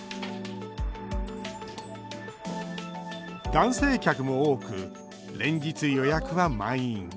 男性客も多く、連日予約は満員。